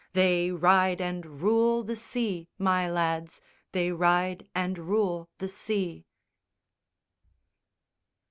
_ Chorus: _They ride and rule the sea, My lads, They ride and rule the sea!